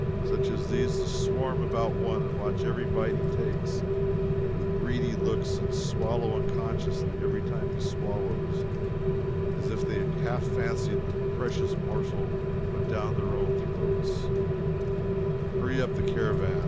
Such as these to swarm about one and watch every bite he takes, with greedy looks, and swallow unconsciously every time he swallows, as if they half fancied the precious morsel went down their own throats hurry up the caravan!